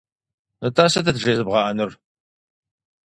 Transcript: Нтӏэ сытыт жезыбгъэӏэнур?